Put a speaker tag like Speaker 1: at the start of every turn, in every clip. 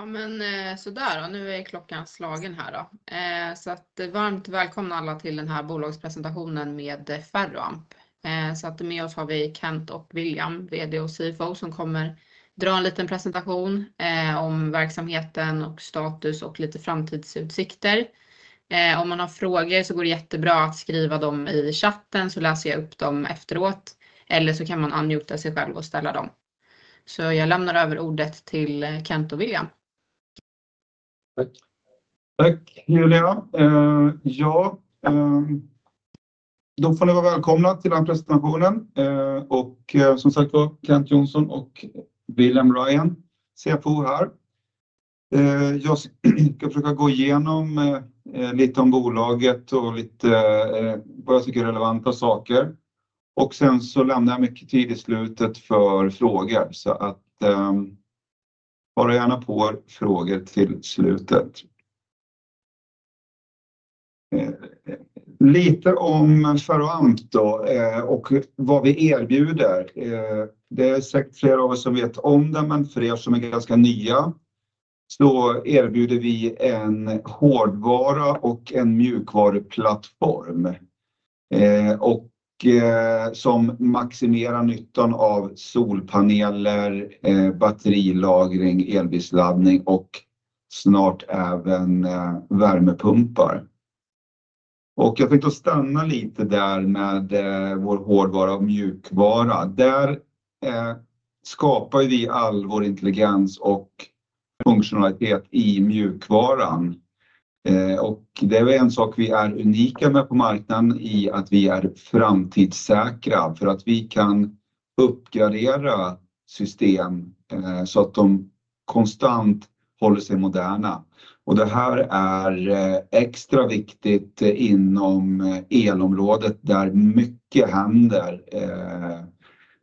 Speaker 1: Ja, men sådär då. Nu är klockan slagen här då, så att varmt välkomna alla till den här bolagspresentationen med Ferroamp. Så att med oss har vi Kent och William, VD och CFO, som kommer dra en liten presentation om verksamheten och status och lite framtidsutsikter. Om man har frågor så går det jättebra att skriva dem i chatten, så läser jag upp dem efteråt, eller så kan man unmuta sig själv och ställa dem. Så jag lämnar över ordet till Kent och William.
Speaker 2: Tack.
Speaker 3: Tack, Julia. Ja, då får ni vara välkomna till den här presentationen. Och som sagt var, Kent Johnson och William Ryan, CFO här. Jag ska försöka gå igenom lite om bolaget och lite vad jag tycker är relevanta saker. Sen så lämnar jag mycket tid i slutet för frågor, så håll gärna på frågor till slutet. Lite om Ferroamp då, och vad vi erbjuder. Det är säkert flera av er som vet om det, men för er som är ganska nya så erbjuder vi en hårdvara och en mjukvaruplattform. Och som maximerar nyttan av solpaneler, batterilagring, elbilsladdning och snart även värmepumpar. Jag tänkte stanna lite där med vår hårdvara och mjukvara. Där skapar ju vi all vår intelligens och funktionalitet i mjukvaran. Och det är väl en sak vi är unika med på marknaden i att vi är framtidssäkra, för att vi kan uppgradera system så att de konstant håller sig moderna. Och det här är extra viktigt inom elområdet där mycket händer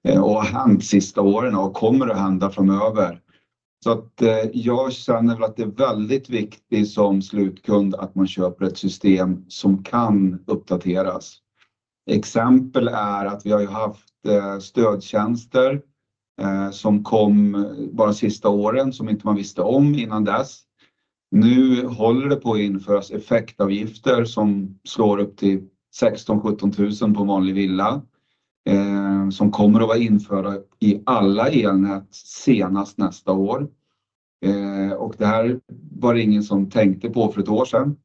Speaker 3: och har hänt sista åren och kommer att hända framöver. Så att jag känner väl att det är väldigt viktigt som slutkund att man köper ett system som kan uppdateras. Exempel är att vi har ju haft stödtjänster som kom bara sista åren som inte man visste om innan dess. Nu håller det på att införas effektavgifter som slår upp till 16 000-17 000 kr på en vanlig villa, som kommer att vara införda i alla elnät senast nästa år. Och det här var det ingen som tänkte på för ett år sedan.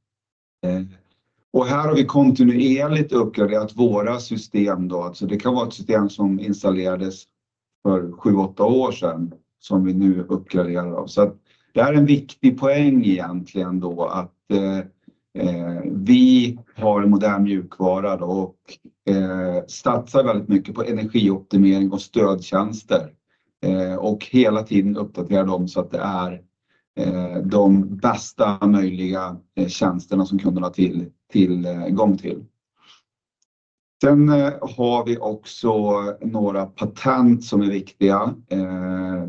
Speaker 3: Och här har vi kontinuerligt uppgraderat våra system då. Alltså, det kan vara ett system som installerades för 7-8 år sedan som vi nu uppgraderar av. Så att det här är en viktig poäng egentligen då att vi har en modern mjukvara då och satsar väldigt mycket på energioptimering och stödtjänster. Och hela tiden uppdaterar dem så att det är de bästa möjliga tjänsterna som kunderna har tillgång till. Sen har vi också några patent som är viktiga.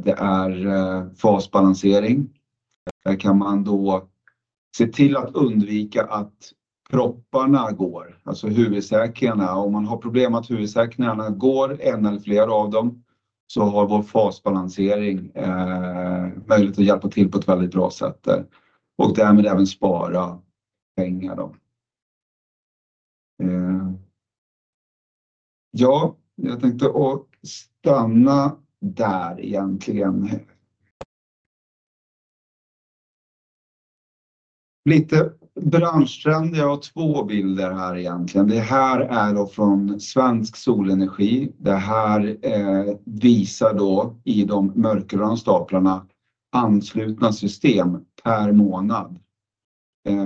Speaker 3: Det är fasbalansering. Där kan man då se till att undvika att propparna går, alltså huvudsäkringarna. Om man har problem att huvudsäkringarna går, en eller flera av dem, så har vår fasbalansering möjlighet att hjälpa till på ett väldigt bra sätt. Och därmed även spara pengar då. Ja, jag tänkte stanna där egentligen. Lite branschtrender. Jag har två bilder här egentligen. Det här är då från Svensk Solenergi. Det här visar då i de mörkgröna staplarna anslutna system per månad.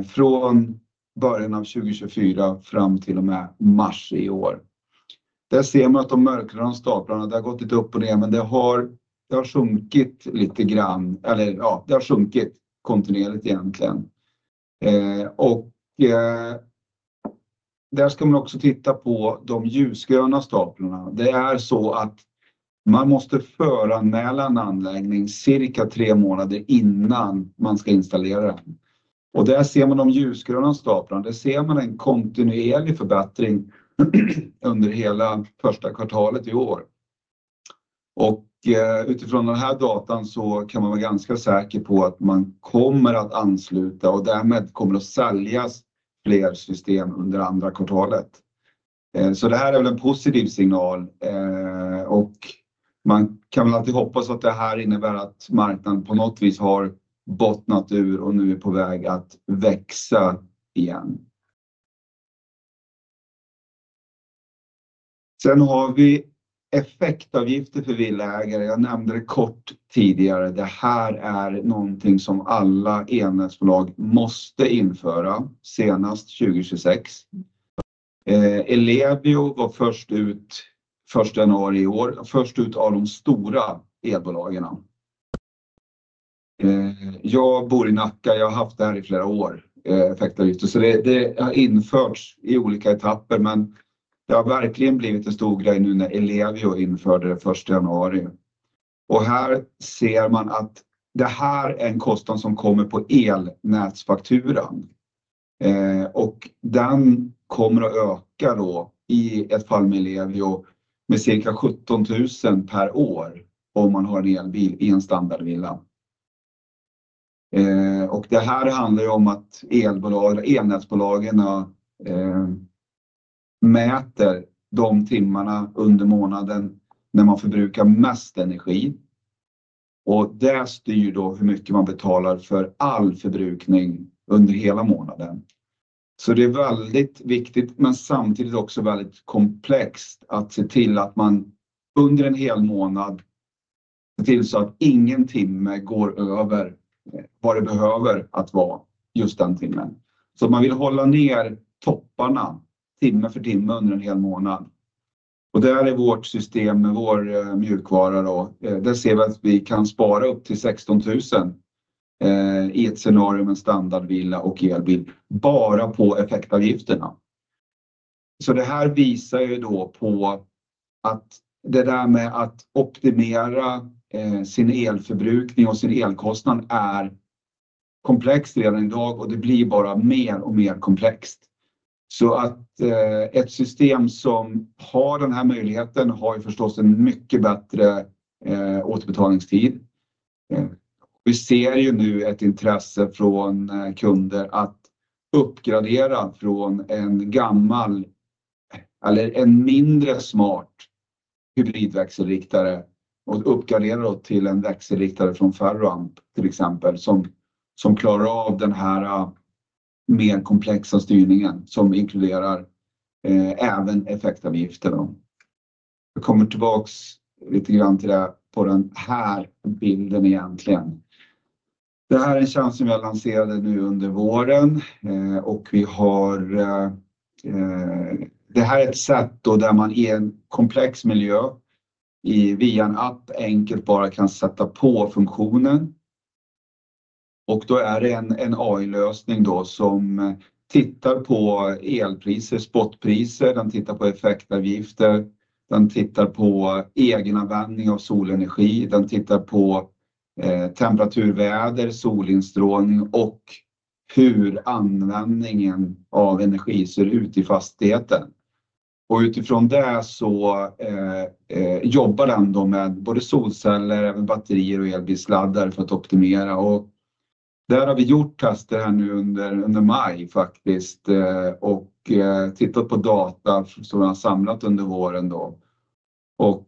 Speaker 3: Från början av 2024 fram till och med mars i år. Där ser man att de mörkgröna staplarna, det har gått lite upp och ner, men det har sjunkit lite grann. Eller ja, det har sjunkit kontinuerligt egentligen. Och där ska man också titta på de ljusgröna staplarna. Det är så att man måste föranmäla en anläggning cirka tre månader innan man ska installera den. Och där ser man de ljusgröna staplarna. Där ser man en kontinuerlig förbättring under hela första kvartalet i år. Och utifrån den här datan så kan man vara ganska säker på att man kommer att ansluta och därmed kommer att säljas fler system under andra kvartalet. Så det här är en positiv signal. Och man kan alltid hoppas att det här innebär att marknaden på något vis har bottnat ur och nu är på väg att växa igen. Sen har vi effektavgifter för villaägare. Jag nämnde det kort tidigare. Det här är någonting som alla elnätsbolag måste införa senast 2026. Elevio var först ut 1 januari i år. Först ut av de stora elbolagen. Jag bor i Nacka. Jag har haft det här i flera år. Effektavgifter. Det har införts i olika etapper. Men det har verkligen blivit en stor grej nu när Elevio införde det 1 januari. Här ser man att det här är en kostnad som kommer på elnätsfakturan. Den kommer att öka då i ett fall med Elevio med cirka 17 000 kr per år om man har en elbil i en standardvilla. Det här handlar ju om att elnätsbolagen mäter de timmarna under månaden när man förbrukar mest energi. Det styr då hur mycket man betalar för all förbrukning under hela månaden. Det är väldigt viktigt, men samtidigt också väldigt komplext att se till att man under en hel månad ser till så att ingen timme går över vad det behöver att vara just den timmen. Man vill hålla ner topparna timme för timme under en hel månad. Där är vårt system med vår mjukvara. Där ser vi att vi kan spara upp till 16 000 kr i ett scenario med en standardvilla och elbil bara på effektavgifterna. Det här visar på att det där med att optimera sin elförbrukning och sin elkostnad är komplext redan idag och det blir bara mer och mer komplext. Ett system som har den här möjligheten har förstås en mycket bättre återbetalningstid. Vi ser ju nu ett intresse från kunder att uppgradera från en gammal eller en mindre smart hybridväxelriktare och uppgradera då till en växelriktare från Ferroamp till exempel som klarar av den här mer komplexa styrningen som inkluderar även effektavgifter. Jag kommer tillbaka lite grann till det på den här bilden egentligen. Det här är en tjänst som vi har lanserat nu under våren, och vi har det här är ett sätt då där man i en komplex miljö via en app enkelt bara kan sätta på funktionen. Då är det en AI-lösning då som tittar på elpriser, spotpriser. Den tittar på effektavgifter. Den tittar på egenanvändning av solenergi. Den tittar på temperatur, väder, solinstrålning och hur användningen av energi ser ut i fastigheten. Utifrån det så jobbar den då med både solceller, även batterier och elbilsladdare för att optimera. Och där har vi gjort tester här nu under maj faktiskt, och tittat på data som vi har samlat under våren då. Och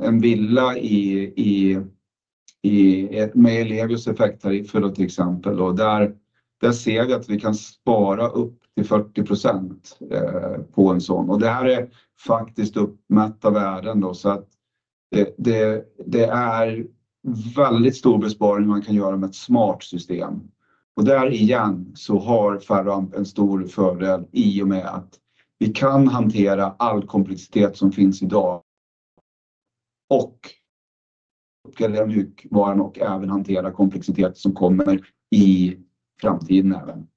Speaker 3: en villa med Elevios effekttariffer då till exempel. Och där ser vi att vi kan spara upp till 40% på en sådan. Och det här är faktiskt uppmätta värden då. Så att det är väldigt stor besparing man kan göra med ett smart system. Och där igen så har Ferroamp en stor fördel i och med att vi kan hantera all komplexitet som finns idag. Och uppgradera mjukvaran och även hantera komplexitet som kommer i framtiden även.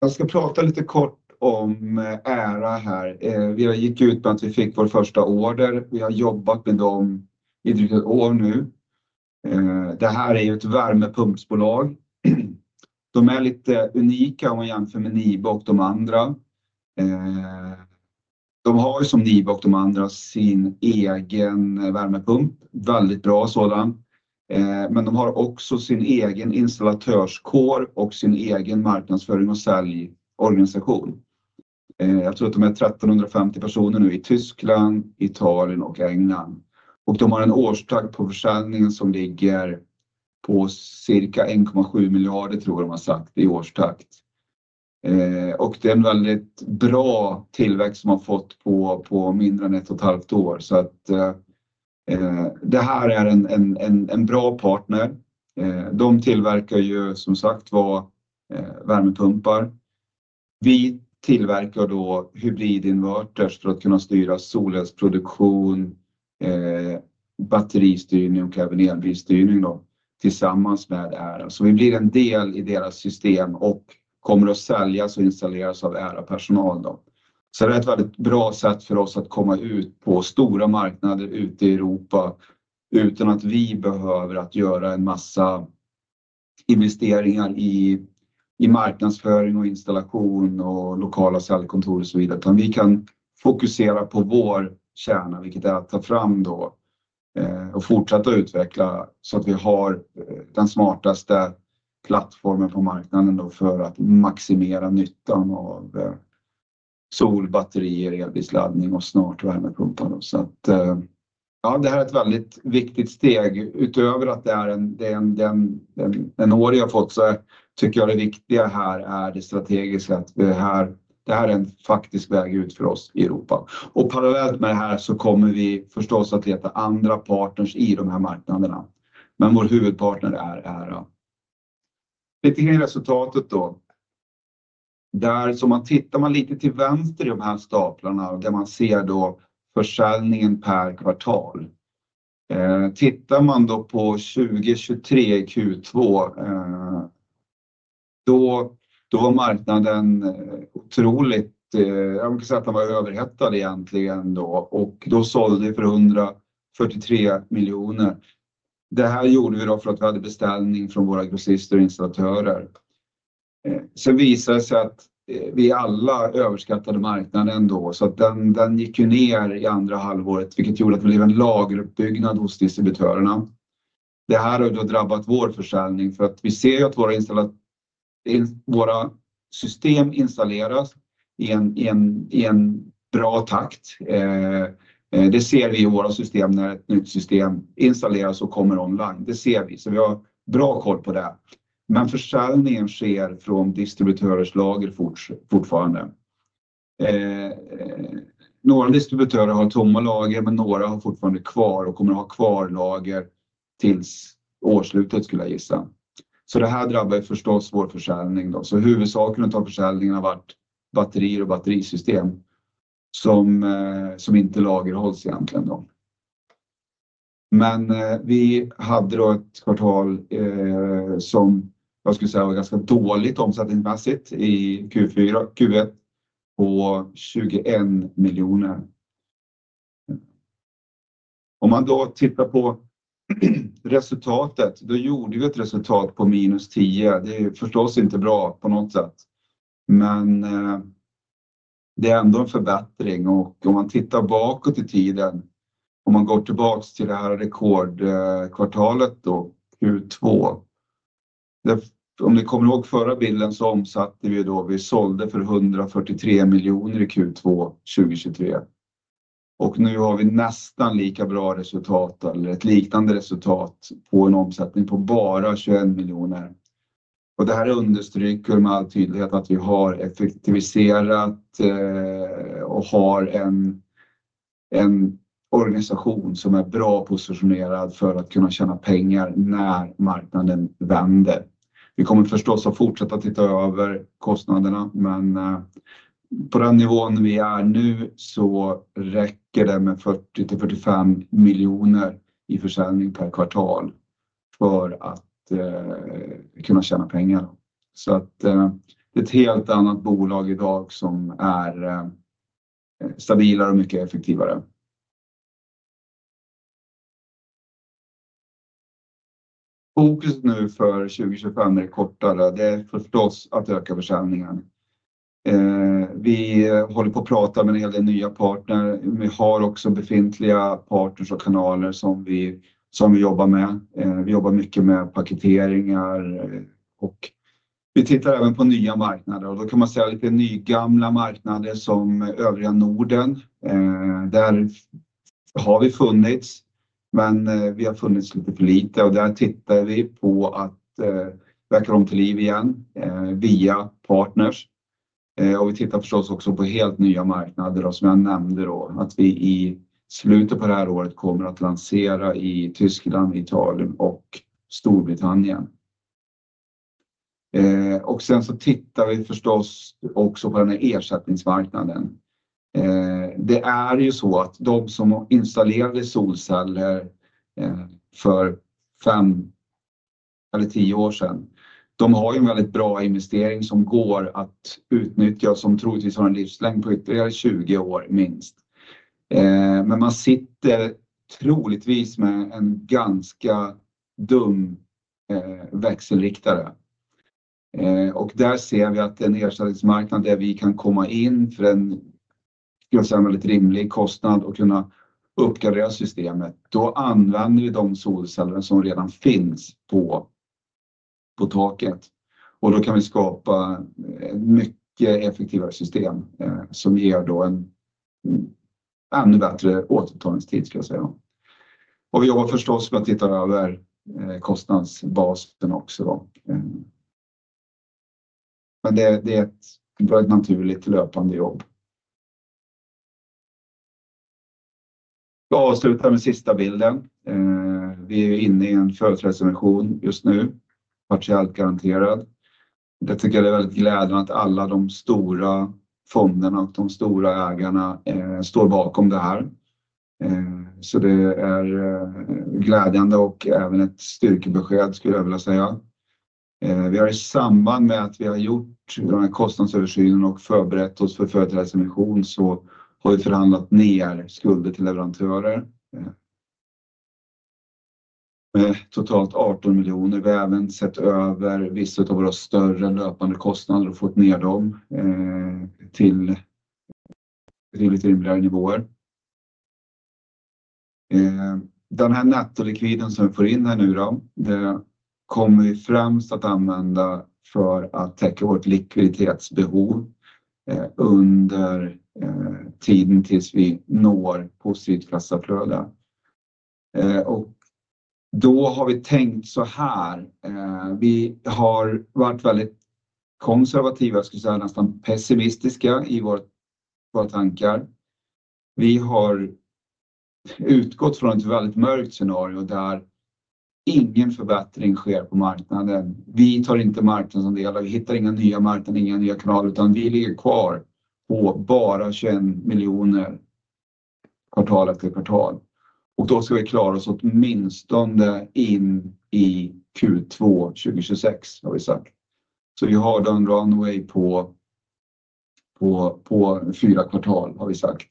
Speaker 3: Jag ska prata lite kort om ära här. Vi gick ut med att vi fick vår första order. Vi har jobbat med dem i drygt ett år nu. Det här är ju ett värmepumpsbolag. De är lite unika om man jämför med Nibe och de andra. De har ju som Nibe och de andra sin egen värmepump. Väldigt bra sådan. Men de har också sin egen installatörskår och sin egen marknadsföring och säljorganisation. Jag tror att de är 1 350 personer nu i Tyskland, Italien och England. De har en årstakt på försäljningen som ligger på cirka 1,7 miljarder, tror jag de har sagt, i årstakt. Det är en väldigt bra tillväxt som man fått på mindre än ett och ett halvt år. Det här är en bra partner. De tillverkar ju som sagt värmepumpar. Vi tillverkar då hybridinverters för att kunna styra solelsproduktion, batteristyrning och även elbilsstyrning då tillsammans med dem. Vi blir en del i deras system och kommer att säljas och installeras av deras personal då. Så det är ett väldigt bra sätt för oss att komma ut på stora marknader ute i Europa utan att vi behöver göra en massa investeringar i marknadsföring och installation och lokala säljkontor och så vidare. Utan vi kan fokusera på vår kärna, vilket är att ta fram och fortsätta utveckla så att vi har den smartaste plattformen på marknaden för att maximera nyttan av sol, batterier, elbilsladdning och snart värmepumpar. Det här är ett väldigt viktigt steg. Utöver att det är en, jag har fått, så tycker jag det viktiga här är det strategiska att det här är en faktisk väg ut för oss i Europa. Parallellt med det här så kommer vi förstås att leta andra partners i de här marknaderna. Men vår huvudpartner är ära. Lite grann i resultatet då. Där som man tittar man lite till vänster i de här staplarna och där man ser då försäljningen per kvartal. Tittar man då på 2023 Q2, då var marknaden otroligt, jag brukar säga att den var överhettad egentligen då. Då sålde vi för 143 miljoner kronor. Det här gjorde vi då för att vi hade beställning från våra grossister och installatörer. Sen visade det sig att vi alla överskattade marknaden då. Så att den gick ju ner i andra halvåret, vilket gjorde att vi blev en lageruppbyggnad hos distributörerna. Det här har ju då drabbat vår försäljning för att vi ser ju att våra system installeras i en bra takt. Det ser vi i våra system när ett nytt system installeras och kommer online. Det ser vi. Så vi har bra koll på det. Men försäljningen sker från distributörers lager fortfarande. Några distributörer har tomma lager, men några har fortfarande kvar och kommer att ha kvar lager tills årsslutet skulle jag gissa. Det här drabbar ju förstås vår försäljning då. Huvudsaken av försäljningen har varit batterier och batterisystem som inte lagerhålls egentligen då. Men vi hade då ett kvartal som jag skulle säga var ganska dåligt omsättningsmässigt i Q1 på 21 miljoner. Om man då tittar på resultatet, då gjorde vi ett resultat på minus 10. Det är förstås inte bra på något sätt. Men det är ändå en förbättring. Om man tittar bakåt i tiden, om man går tillbaka till det här rekordkvartalet då, Q2. Om ni kommer ihåg förra bilden så omsatte vi ju då. Vi sålde för 143 miljoner i Q2 2023. Nu har vi nästan lika bra resultat eller ett liknande resultat på en omsättning på bara 21 miljoner. Och det här understryker med all tydlighet att vi har effektiviserat och har en organisation som är bra positionerad för att kunna tjäna pengar när marknaden vänder. Vi kommer förstås att fortsätta titta över kostnaderna. Men på den nivån vi är nu så räcker det med 40-45 miljoner i försäljning per kvartal för att kunna tjäna pengar. Så att det är ett helt annat bolag idag som är stabilare och mycket effektivare. Fokus nu för 2025 är kortare. Det är förstås att öka försäljningen. Vi håller på att prata med en hel del nya partner. Vi har också befintliga partners och kanaler som vi jobbar med. Vi jobbar mycket med paketeringar. Vi tittar även på nya marknader. Då kan man säga lite nygamla marknader som övriga Norden. Där har vi funnits. Men vi har funnits lite för lite. Och där tittar vi på att väcka dem till liv igen via partners, och vi tittar förstås också på helt nya marknader då som jag nämnde då. Att vi i slutet på det här året kommer att lansera i Tyskland, Italien och Storbritannien, och sen så tittar vi förstås också på den här ersättningsmarknaden. Det är ju så att de som installerade solceller för fem eller tio år sedan, de har ju en väldigt bra investering som går att utnyttja och som troligtvis har en livslängd på ytterligare 20 år minst, men man sitter troligtvis med en ganska dum växelriktare. Och där ser vi att det är en ersättningsmarknad där vi kan komma in för en väldigt rimlig kostnad och kunna uppgradera systemet. Då använder vi de solcellerna som redan finns på taket. Och då kan vi skapa mycket effektivare system som ger då en ännu bättre återbetalningstid skulle jag säga. Vi jobbar förstås med att titta över kostnadsbasen också då, men det är ett väldigt naturligt löpande jobb. Jag avslutar med sista bilden. Vi är ju inne i en företrädesemission just nu. Partiellt garanterad. Det tycker jag är väldigt glädjande att alla de stora fonderna och de stora ägarna står bakom det här, så det är glädjande och även ett styrkebesked skulle jag vilja säga. Vi har i samband med att vi har gjort den här kostnadsöversynen och förberett oss för företrädesemission så har vi förhandlat ner skulder till leverantörer med totalt 18 miljoner. Vi har även sett över vissa av våra större löpande kostnader och fått ner dem till lite rimligare nivåer. Den här nettolikviden som vi får in här nu då, det kommer vi främst att använda för att täcka vårt likviditetsbehov under tiden tills vi når positivt kassaflöde. Vi har varit väldigt konservativa, jag skulle säga nästan pessimistiska i våra tankar. Vi har utgått från ett väldigt mörkt scenario där ingen förbättring sker på marknaden. Vi tar inte marknadsandelar, vi hittar inga nya marknader, inga nya kanaler utan vi ligger kvar på bara 21 miljoner kvartal efter kvartal. Vi ska klara oss åtminstone in i Q2 2026 har vi sagt. Vi har en runway på fyra kvartal har vi sagt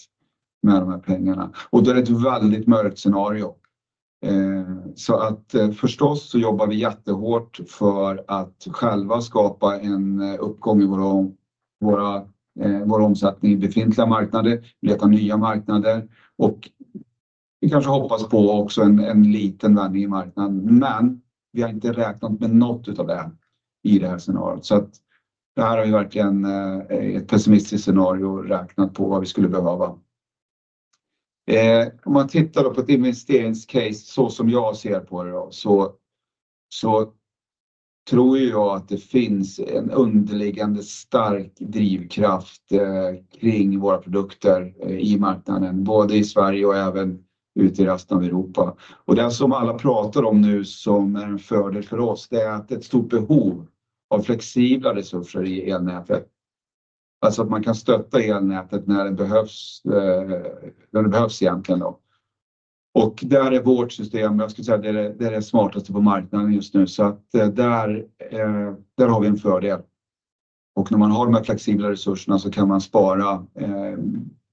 Speaker 3: med de här pengarna. Det är ett väldigt mörkt scenario. Förstås så jobbar vi jättehårt för att själva skapa en uppgång i vår omsättning i befintliga marknader, leta nya marknader. Och vi kanske hoppas på också en liten vändning i marknaden. Men vi har inte räknat med något av det här i det här scenariot. Det här har ju verkligen i ett pessimistiskt scenario räknat på vad vi skulle behöva. Om man tittar då på ett investeringscase så som jag ser på det då så tror ju jag att det finns en underliggande stark drivkraft kring våra produkter i marknaden. Både i Sverige och även ute i resten av Europa. Det som alla pratar om nu som är en fördel för oss det är att det är ett stort behov av flexibla resurser i elnätet. Alltså att man kan stötta elnätet när det behövs när det egentligen då. Där är vårt system, jag skulle säga att det är det smartaste på marknaden just nu. Där har vi en fördel. Och när man har de här flexibla resurserna så kan man spara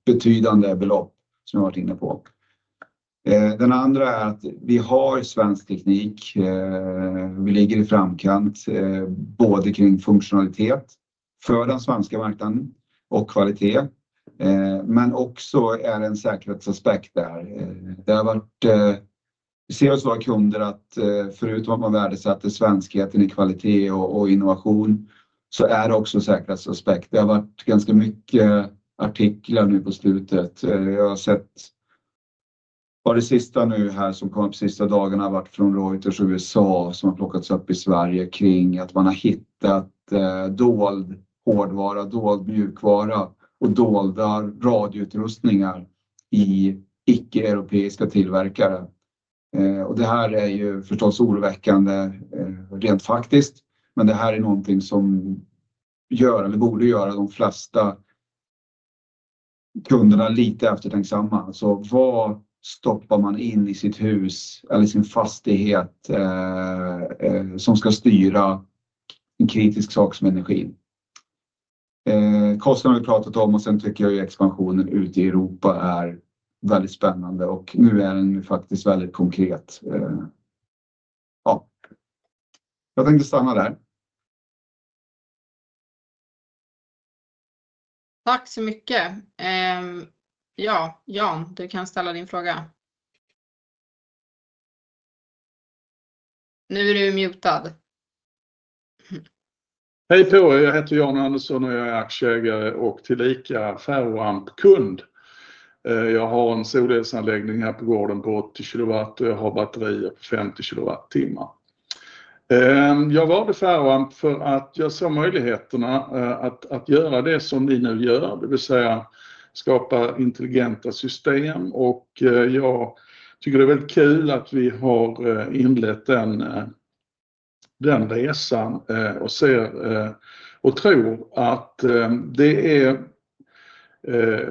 Speaker 3: betydande belopp som jag har varit inne på. Den andra är att vi har svensk teknik. Vi ligger i framkant både kring funktionalitet för den svenska marknaden och kvalitet, men också är det en säkerhetsaspekt där. Det har varit vi ser hos våra kunder att förutom att man värdesätter svenskheten i kvalitet och innovation så är det också en säkerhetsaspekt. Det har varit ganska mycket artiklar nu på slutet. Jag har sett vad det sista nu här som kom på sista dagarna har varit från Reuters USA som har plockats upp i Sverige kring att man har hittat dold hårdvara, dold mjukvara och dolda radioutrustningar i icke-europeiska tillverkare. Det här är ju förstås oroväckande rent faktiskt. Men det här är någonting som gör eller borde göra de flesta kunderna lite eftertänksamma. Alltså vad stoppar man in i sitt hus eller sin fastighet som ska styra en kritisk sak som energin? Kostnader har vi pratat om och sen tycker jag ju expansionen ute i Europa är väldigt spännande. Och nu är den ju faktiskt väldigt konkret. Ja, jag tänkte stanna där. Tack så mycket. Ja, Jan, du kan ställa din fråga. Nu är du mutad. Hej på dig, jag heter Jan Andersson och jag är aktieägare och tillika Ferroamp-kund. Jag har en solelsanläggning här på gården på 80 kilowatt och jag har batterier på 50 kilowattimmar. Jag valde Ferroamp för att jag såg möjligheterna att göra det som ni nu gör. Det vill säga skapa intelligenta system. Och jag tycker det är väldigt kul att vi har inlett den resan. Och ser och tror att det är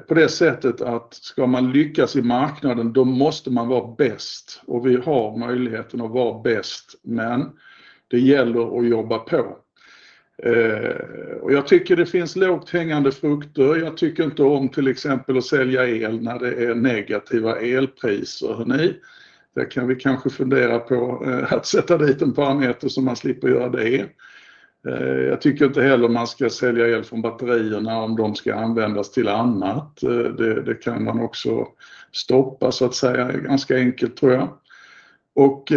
Speaker 3: på det sättet att ska man lyckas i marknaden då måste man vara bäst. Och vi har möjligheten att vara bäst, men det gäller att jobba på. Jag tycker det finns lågt hängande frukter. Jag tycker inte om till exempel att sälja el när det är negativa elpriser. Hörni, det kan vi kanske fundera på att sätta dit en parameter så man slipper göra det. Jag tycker inte heller att man ska sälja el från batterierna om de ska användas till annat. Det kan man också stoppa så att säga, ganska enkelt tror jag. Och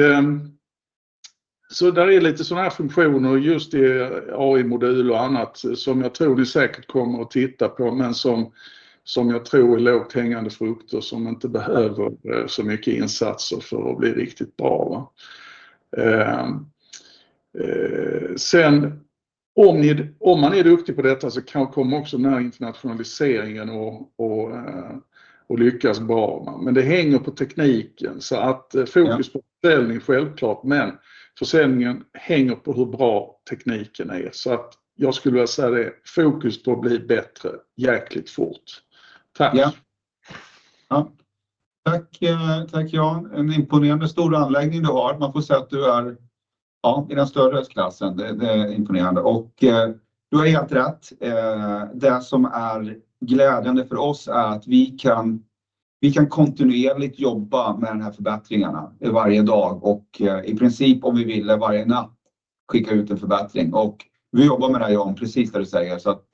Speaker 3: så där är lite sådana här funktioner just i AI-modul och annat som jag tror ni säkert kommer att titta på. Men som jag tror är lågt hängande frukter som inte behöver så mycket insatser för att bli riktigt bra. Väl sen om ni om man är duktig på detta så kanske kommer också den här internationaliseringen och lyckas bra. Väl men det hänger på tekniken så att fokus på försäljning självklart. Men försäljningen hänger på hur bra tekniken är. Så att jag skulle vilja säga det, fokus på att bli bättre jäkligt fort. Tack. Ja, tack tack Jan. En imponerande stor anläggning du har. Man får säga att du är ja i den större klassen. Det är imponerande. Du har helt rätt. Det som är glädjande för oss är att vi kan kontinuerligt jobba med de här förbättringarna varje dag. I princip om vi ville varje natt skicka ut en förbättring. Vi jobbar med det här Jan, precis det du säger. Så att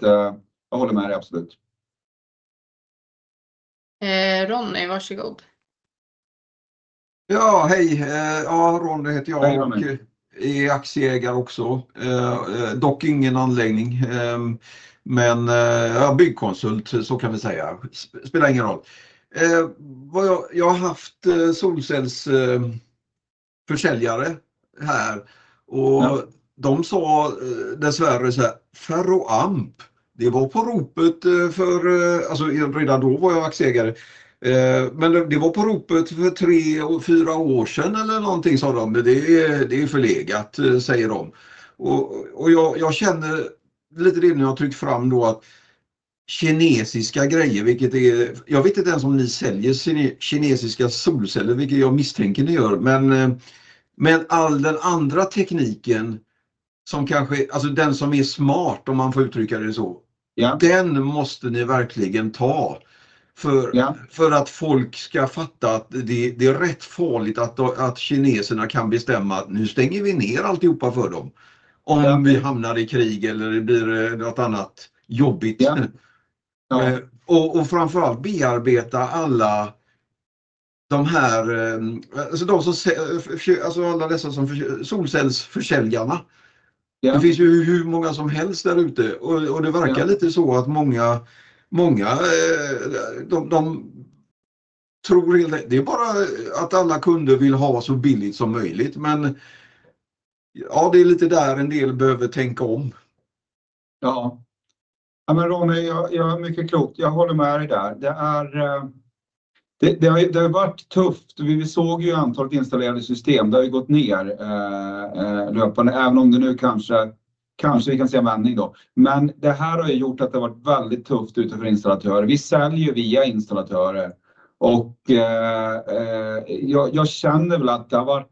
Speaker 3: jag håller med dig absolut. Ronny, varsågod. Ja hej, ja Ronny heter jag och är aktieägare också. Dock ingen anläggning, men ja byggkonsult så kan vi säga. Spelar ingen roll vad jag... Jag har haft solcellsförsäljare här. Och de sa dessvärre så här: Ferroamp, det var på ropet för... Alltså redan då var jag aktieägare, men det var på ropet för tre och fyra år sedan eller någonting sa de. Det är förlegat, säger de. Och jag känner lite det nu när jag har tryckt fram då att kinesiska grejer, vilket är... Jag vet inte ens om ni säljer kinesiska solceller, vilket jag misstänker ni gör. Men all den andra tekniken som kanske, alltså den som är smart om man får uttrycka det så, ja den måste ni verkligen ta. För att folk ska fatta att det är rätt farligt att kineserna kan bestämma att nu stänger vi ner alltihopa för dem. Om vi hamnar i krig eller det blir något annat jobbigt. Ja, och framförallt bearbeta alla de här, alltså de som, alltså alla dessa solcellsförsäljarna. Det finns ju hur många som helst där ute. Och det verkar lite så att många, många de tror helt enkelt, det är bara att alla kunder vill ha så billigt som möjligt. Men ja, det är lite där en del behöver tänka om. Ja, men Ronny, jag har mycket klokt. Jag håller med dig där. Det är, det har ju varit tufft. Vi såg ju antalet installerade system, det har ju gått ner löpande. Även om det nu kanske, kanske vi kan se en vändning då. Men det här har ju gjort att det har varit väldigt tufft ute för installatörer. Vi säljer ju via installatörer. Och jag känner väl att det har varit,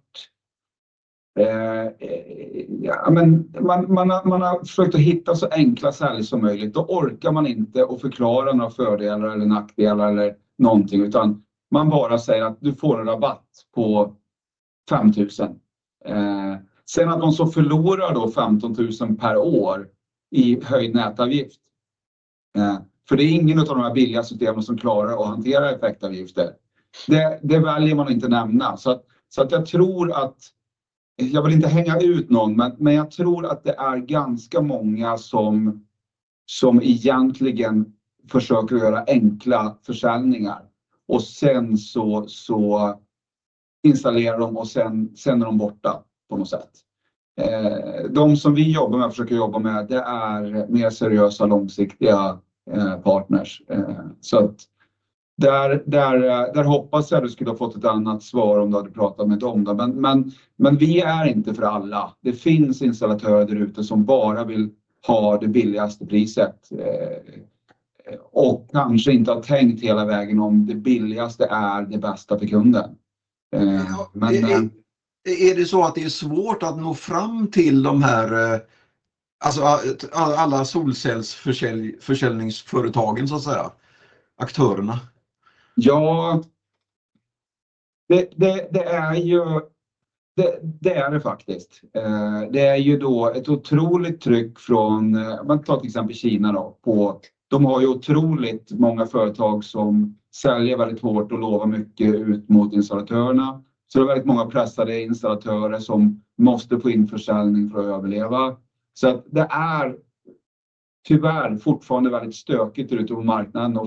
Speaker 3: ja men man har försökt att hitta så enkla säljare som möjligt. Då orkar man inte att förklara några fördelar eller nackdelar eller någonting. Utan man bara säger att du får en rabatt på 5 000 kr. Sen att de så förlorar då 15 000 kr per år i höjd nätavgift, för det är ingen av de här billiga systemen som klarar att hantera effektavgifter. Det väljer man inte att nämna. Så att jag tror att, jag vill inte hänga ut någon, men jag tror att det är ganska många som egentligen försöker att göra enkla försäljningar. Sen så installerar de och sen försvinner de bort på något sätt. De som vi jobbar med, försöker jobba med, det är mer seriösa, långsiktiga partners. Så att där hoppas jag att du skulle ha fått ett annat svar om du hade pratat med dem då. Men vi är inte för alla. Det finns installatörer där ute som bara vill ha det billigaste priset och kanske inte har tänkt hela vägen om det billigaste är det bästa för kunden. Men är det så att det är svårt att nå fram till de här, alltså alla solcellsförsäljningsföretagen, så att säga, aktörerna? Ja, det är ju, det är det faktiskt. Det är ju då ett otroligt tryck från, man tar till exempel Kina då, på, de har ju otroligt många företag som säljer väldigt hårt och lovar mycket ut mot installatörerna. Så det är väldigt många pressade installatörer som måste få in försäljning för att överleva. Så att det är tyvärr fortfarande väldigt stökigt där ute på marknaden.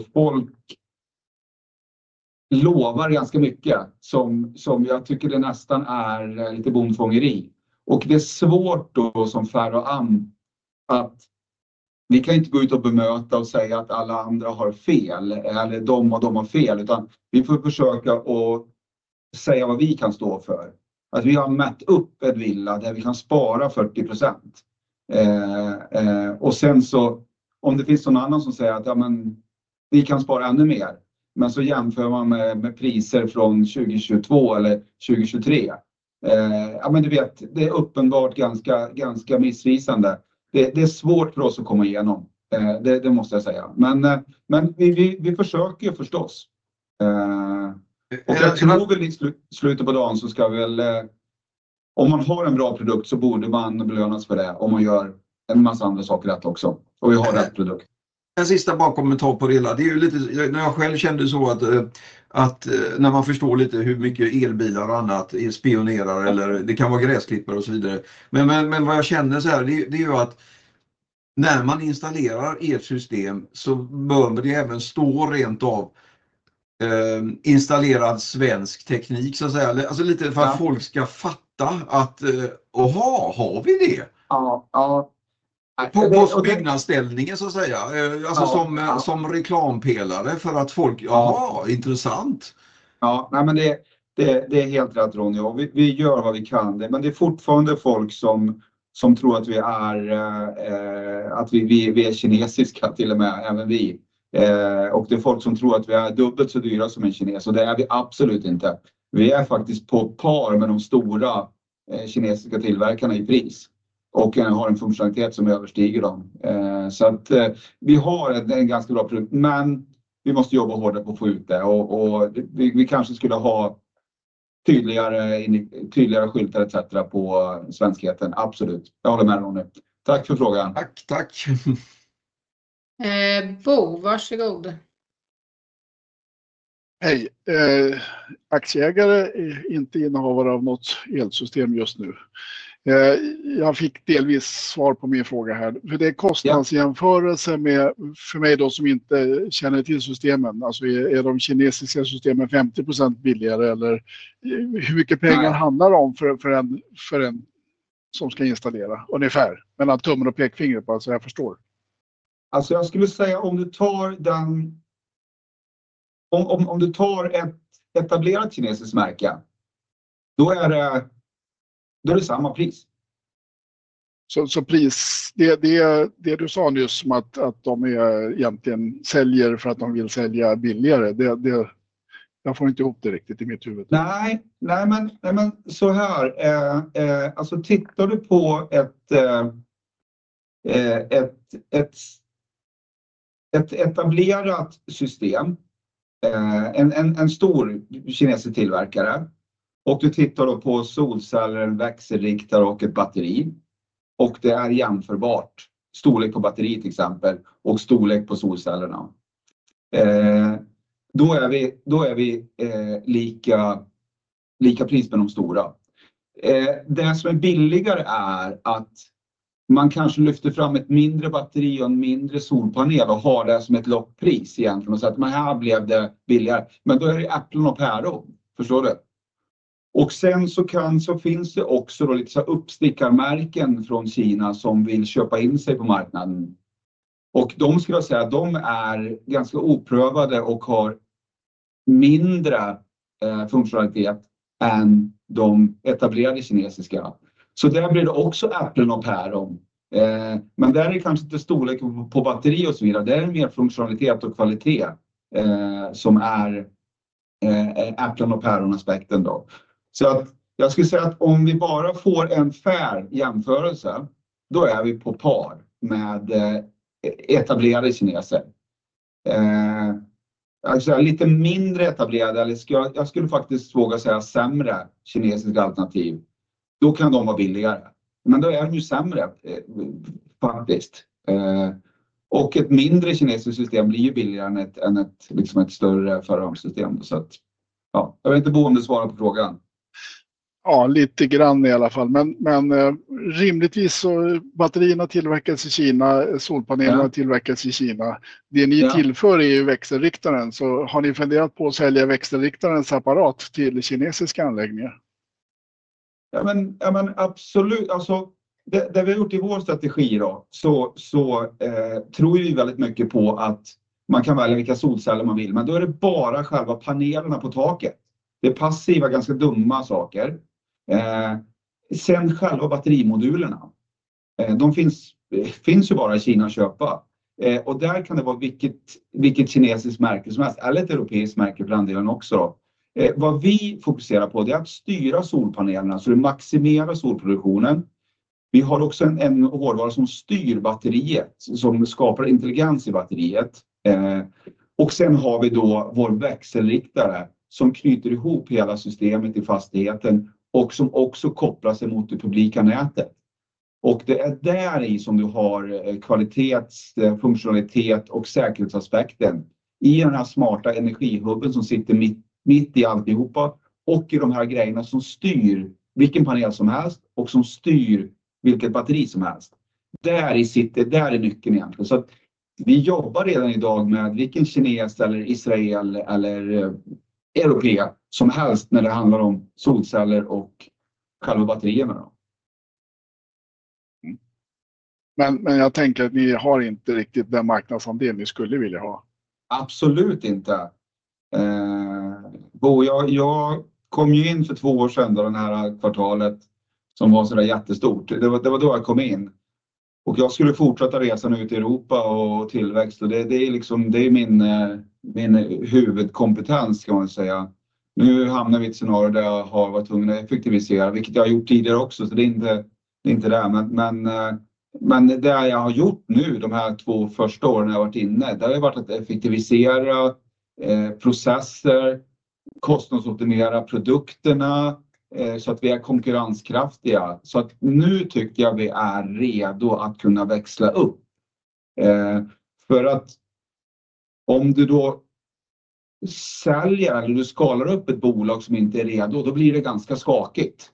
Speaker 3: Och folk lovar ganska mycket, som jag tycker det nästan är lite bondfångeri. Och det är svårt då som Ferroamp, att vi kan inte gå ut och bemöta och säga att alla andra har fel, eller de och de har fel. Utan vi får försöka att säga vad vi kan stå för. Att vi har mätt upp ett villa där vi kan spara 40%. Och sen så, om det finns någon annan som säger att ja men vi kan spara ännu mer, men så jämför man med priser från 2022 eller 2023. Ja men du vet, det är uppenbart ganska missvisande. Det är svårt för oss att komma igenom. Det måste jag säga. Men vi försöker ju förstås. Och jag tror väl i slutet på dagen så ska vi väl, om man har en bra produkt så borde man belönas för det. Om man gör en massa andra saker rätt också. Och vi har rätt produkt. En sista bara kommentar på det hela. Det är ju lite, när jag själv kände så att när man förstår lite hur mycket elbilar och annat spionerar, eller det kan vara gräsklippare och så vidare. Men vad jag känner så här, det är ju att när man installerar elsystem så behöver det även stå rent av installerad svensk teknik så att säga. Alltså lite för att folk ska fatta att, åh har vi det? Ja ja tack. På byggnadsställningen så att säga. Alltså som reklampelare för att folk, ja intressant. Ja nej men det är helt rätt Ronny. Och vi gör vad vi kan det. Men det är fortfarande folk som tror att vi är, att vi är kinesiska till och med, även vi. Och det är folk som tror att vi är dubbelt så dyra som en kinesisk. Och det är vi absolut inte. Vi är faktiskt på par med de stora kinesiska tillverkarna i pris. Och har en funktionalitet som överstiger dem. Så att vi har en ganska bra produkt. Men vi måste jobba hårdare på att få ut det. Och vi kanske skulle ha tydligare skyltar etcetera på svenskheten. Absolut. Jag håller med dig Ronny. Tack för frågan. Tack tack. Bo varsågod. Hej. Aktieägare är inte innehavare av något elsystem just nu. Jag fick delvis svar på min fråga här. För det är kostnadsjämförelse med, för mig då som inte känner till systemen. Alltså är de kinesiska systemen 50% billigare eller hur mycket pengar handlar det om för en som ska installera? Ungefär. Mellan tummen och pekfingret bara så jag förstår. Jag skulle säga om du tar ett etablerat kinesiskt märke, då är det samma pris. Så pris, det du sa nyss om att de egentligen säljer för att de vill sälja billigare. Det får jag inte ihop riktigt i mitt huvud. Nej nej men så här. Tittar du på ett etablerat system, en stor kinesisk tillverkare. Och du tittar då på solceller, en växelriktare och ett batteri. Och det är jämförbart. Storlek på batteri till exempel och storlek på solcellerna. Då är vi lika pris med de stora. Det som är billigare är att man kanske lyfter fram ett mindre batteri och en mindre solpanel och har det som ett lockpris egentligen. Och säger att men här blev det billigare. Men då är det ju äpplen och päron. Förstår du? Sen så finns det också lite så här uppstickarmärken från Kina som vill köpa in sig på marknaden. De skulle jag säga att de är ganska oprövade och har mindre funktionalitet än de etablerade kinesiska. Så där blir det också äpplen och päron. Men där är det kanske inte storlek på batteri och så vidare. Där är det mer funktionalitet och kvalitet som är äpplen och päronaspekten då. Så att jag skulle säga att om vi bara får en fair jämförelse, då är vi på par med etablerade kineser. Jag skulle säga lite mindre etablerade. Eller jag skulle faktiskt våga säga sämre kinesiska alternativ. Då kan de vara billigare. Men då är de ju sämre faktiskt. Ett mindre kinesiskt system blir ju billigare än ett större Ferroamp-system. Så att ja, jag vet inte om du svarar på frågan. Ja lite grann i alla fall. Men rimligtvis så tillverkas batterierna i Kina. Solpanelerna tillverkas i Kina. Det ni tillför är ju växelriktaren. Så har ni funderat på att sälja växelriktaren separat till kinesiska anläggningar? Ja men absolut. Alltså det vi har gjort i vår strategi då. Vi tror ju väldigt mycket på att man kan välja vilka solceller man vill. Men då är det bara själva panelerna på taket. Det passiva är ganska dumma saker. Sen själva batterimodulerna, de finns bara i Kina att köpa. Och där kan det vara vilket kinesiskt märke som helst. Eller ett europeiskt märke för den delen också då. Vad vi fokuserar på det är att styra solpanelerna så det maximerar solproduktionen. Vi har också en hårdvara som styr batteriet som skapar intelligens i batteriet. Och sen har vi då vår växelriktare som knyter ihop hela systemet i fastigheten och som också kopplar sig mot det publika nätet. Och det är där som du har kvalitetsfunktionalitet och säkerhetsaspekten i den här smarta energihubben som sitter mitt i alltihopa. Och i de här grejerna som styr vilken panel som helst och som styr vilket batteri som helst, där sitter nyckeln egentligen. Så att vi jobbar redan idag med vilken kines eller israel eller europe som helst när det handlar om solceller och själva batterierna då. Men jag tänker att ni har inte riktigt den marknadsandel ni skulle vilja ha. Absolut inte. Jag kom ju in för två år sedan då den här kvartalet som var sådär jättestort. Det var då jag kom in. Jag skulle fortsätta resan ut i Europa och tillväxt. Det är liksom min huvudkompetens kan man väl säga. Nu hamnar vi i ett scenario där jag har varit tvungen att effektivisera, vilket jag har gjort tidigare också. Så det är inte det. Men det jag har gjort nu de här två första åren när jag har varit inne, det har ju varit att effektivisera processer, kostnadsoptimera produkterna så att vi är konkurrenskraftiga. Så nu tycker jag vi är redo att kunna växla upp. För att om du då säljer eller du skalar upp ett bolag som inte är redo, då blir det ganska skakigt.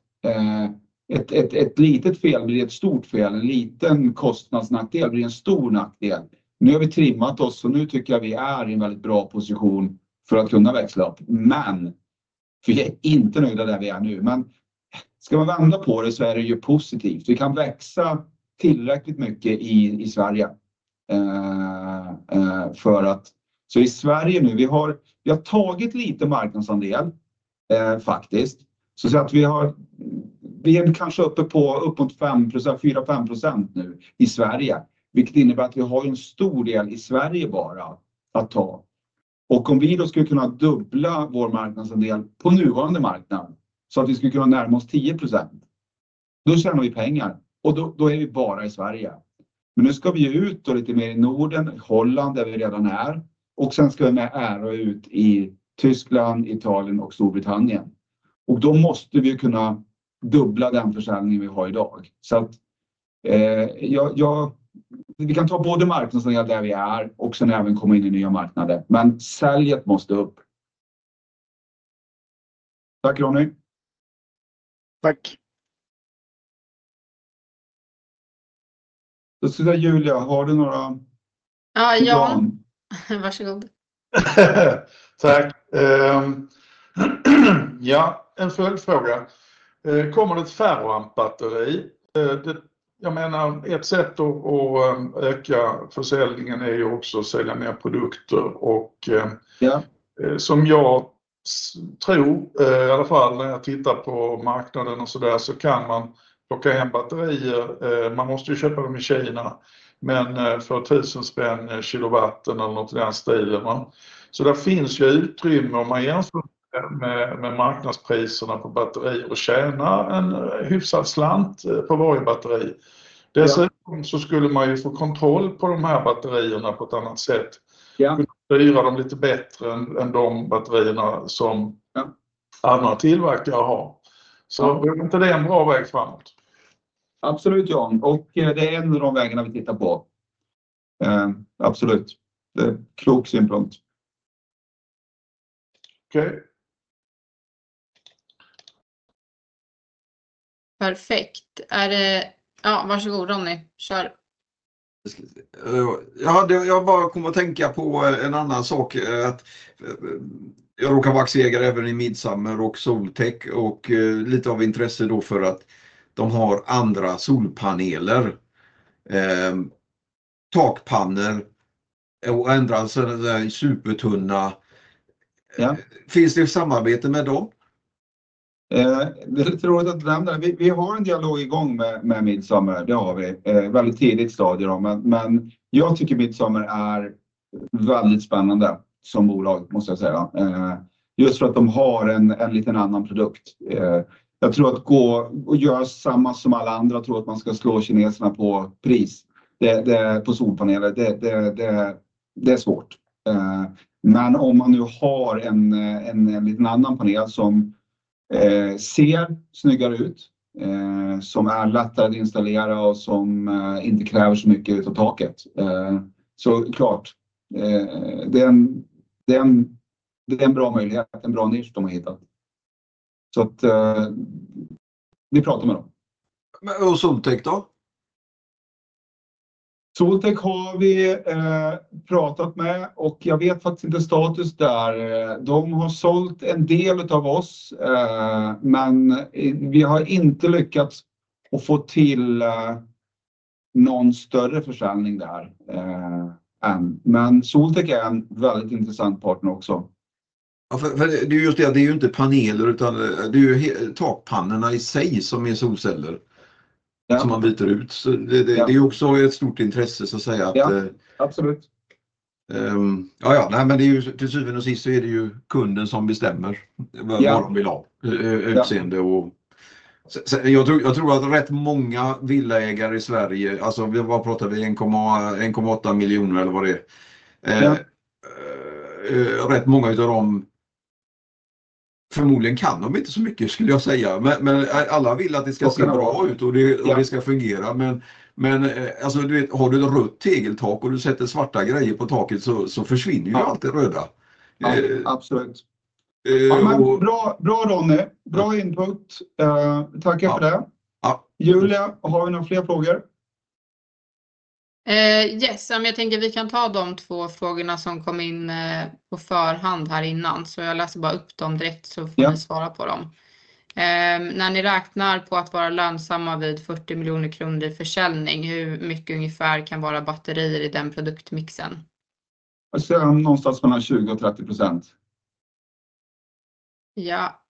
Speaker 3: Ett litet fel blir ett stort fel. En liten kostnadsnackdel blir en stor nackdel. Nu har vi trimmat oss och nu tycker jag vi är i en väldigt bra position för att kunna växla upp. Men vi är inte nöjda där vi är nu. Men ska man vända på det så är det ju positivt. Vi kan växa tillräckligt mycket i Sverige för att... I Sverige nu har vi tagit lite marknadsandel faktiskt. Vi är kanske uppe på upp mot 4-5% nu i Sverige, vilket innebär att vi har en stor del i Sverige bara att ta. Om vi då skulle kunna dubbla vår marknadsandel på nuvarande marknad så att vi skulle kunna närma oss 10%. Då tjänar vi pengar. Och då är vi bara i Sverige. Men nu ska vi ju ut då lite mer i Norden. Holland där vi redan är. Och sen ska vi med ära ut i Tyskland, Italien och Storbritannien. Och då måste vi ju kunna dubbla den försäljningen vi har idag. Så att jag vi kan ta både marknadsandel där vi är. Och sen även komma in i nya marknader. Men säljet måste upp. Tack Ronny. Tack. Då ser jag Julia har du några? Ja ja varsågod. Tack. Ja en följdfråga. Kommer det ett Ferroamp-batteri? Det jag menar ett sätt att öka försäljningen är ju också att sälja mer produkter. Och ja som jag tror i alla fall när jag tittar på marknaden och så där. Så kan man plocka hem batterier. Man måste ju köpa dem i Kina. Men för 1000 spänn per kilowatt eller något i den stilen. Så där finns ju utrymme om man jämför med marknadspriserna på batterier och tjänar en hyfsad slant på varje batteri. Dessutom så skulle man ju få kontroll på de här batterierna på ett annat sätt, kunna styra dem lite bättre än de batterierna som andra tillverkare har. Så är inte det en bra väg framåt? Absolut Jan, och det är en av de vägarna vi tittar på. Absolut, det är en klok synpunkt. Okej, perfekt. Är det ja, varsågod Ronny, kör. Jag kommer att tänka på en annan sak. Att jag råkar vara aktieägare även i Midsummer och Soltech och lite av intresse då för att de har andra solpaneler, takpannor och andra sådana där supertunna. Finns det ett samarbete med dem? Det är lite roligt att du nämner det. Vi har en dialog igång med Midsummer, det har vi. Väldigt tidigt stadie då. Men jag tycker Midsummer är väldigt spännande som bolag måste jag säga. Just för att de har en lite annan produkt. Jag tror att gå och göra samma som alla andra, tror att man ska slå kineserna på pris. Det är på solpaneler. Det är svårt. Men om man nu har en lite annan panel som ser snyggare ut, som är lättare att installera och som inte kräver så mycket ut av taket, så klart. Det är en bra möjlighet. En bra nisch de har hittat. Så att vi pratar med dem. Och Soltech då? Soltech har vi pratat med. Och jag vet faktiskt inte status där. De har sålt en del av oss. Men vi har inte lyckats att få till någon större försäljning där än. Men Soltech är en väldigt intressant partner också. Ja, för det är ju just det. Det är ju inte paneler utan det är ju takpannorna i sig som är solceller som man byter ut. Så det är ju också ett stort intresse så att säga. Ja, absolut. Ja, ja, nej, men det är ju till syvende och sist så är det ju kunden som bestämmer vad de vill ha. Utseende och... Jag tror att rätt många villaägare i Sverige... Alltså vi pratar 1,8 miljoner eller vad det är. Rätt många av dem förmodligen kan de inte så mycket skulle jag säga. Men alla vill att det ska se bra ut och det ska fungera. Men alltså du vet, har du ett rött tegeltak och du sätter svarta grejer på taket så försvinner ju allt det röda. Ja, absolut. Ja, men bra, bra Ronny. Bra input. Tackar för det. Ja Julia, har vi några fler frågor? Ja, jag tänker vi kan ta de två frågorna som kom in på förhand här innan. Så jag läser bara upp dem direkt så får ni svara på dem. När ni räknar på att vara lönsamma vid 40 miljoner kronor i försäljning, hur mycket ungefär kan vara batterier i den produktmixen? Jag tror jag har någonstans mellan 20% och 30%. Ja,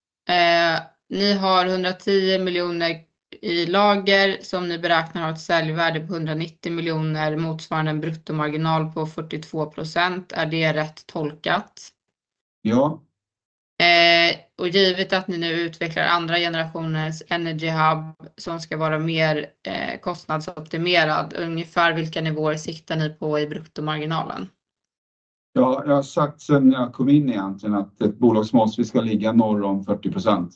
Speaker 3: ni har 110 miljoner kronor i lager som ni beräknar har ett säljvärde på 190 miljoner kronor. Motsvarande en bruttomarginal på 42%. Är det rätt tolkat? Ja. Givet att ni nu utvecklar andra generationens energy hub som ska vara mer kostnadsoptimerad, ungefär vilka nivåer siktar ni på i bruttomarginalen? Ja, jag har sagt sen jag kom in egentligen att ett bolag som vi ska ligga norr om 40%.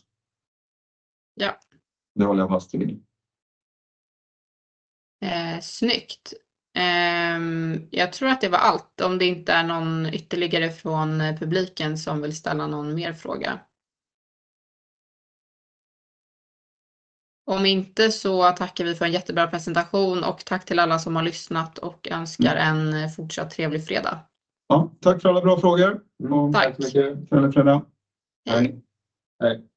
Speaker 3: Det håller jag fast vid. Snyggt. Jag tror att det var allt. Om det inte är någon ytterligare från publiken som vill ställa någon mer fråga. Om inte så tackar vi för en jättebra presentation. Tack till alla som har lyssnat och önskar en fortsatt trevlig fredag. Ja tack för alla bra frågor. Tack så mycket för denna fredag. Hej. Hej.